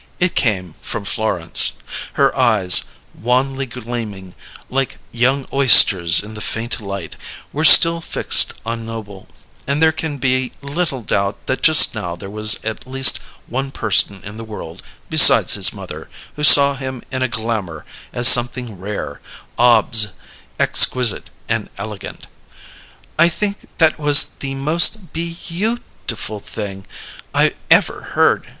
It came from Florence. Her eyes, wanly gleaming, like young oysters in the faint light, were still fixed on Noble; and there can be little doubt that just now there was at least one person in the world, besides his mother, who saw him in a glamour as something rare, obs, exquisite, and elegant. "I think that was the most be you tiful thing I ever heard!"